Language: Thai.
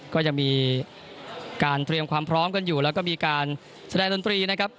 ก็จะมีการเตรียมความพร้อมกันอยู่แล้วก็มีการแสดงดนตรีนะครับ